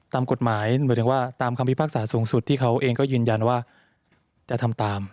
ตามกฎหมายหมายถึงว่าตามคำพิพากษาสูงสุดที่เขาเองก็ยืนยันว่าจะทำตาม